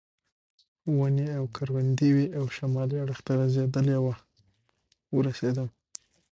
ونې او کروندې وې او شمالي اړخ ته غځېدلې وه ورسېدم.